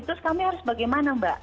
terus kami harus bagaimana mbak